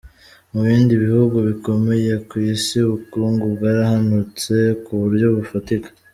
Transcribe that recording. Mu bindi bihugu bikomeye ku Isi, ubukungu bwarahanantutse ku buryo bufatika.